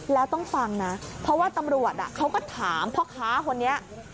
แล้วต้องฟังนะเพราะว่าตำรวจเขาก็ถามพ่อค้าคนนี้